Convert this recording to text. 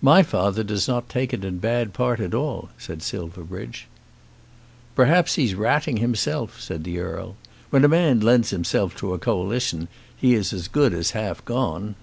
"My father does not take it in bad part at all," said Silverbridge. "Perhaps he's ratting himself," said the Earl. "When a man lends himself to a coalition he is as good as half gone."